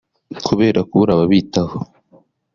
kubera kubura ababitaho